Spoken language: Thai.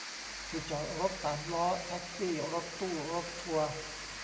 ที่จอดรถ สามล้อ แท็กซี่ รถตู้ รถทัวร์